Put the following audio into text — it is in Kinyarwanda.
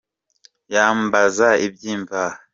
Yambaza iby’imvaho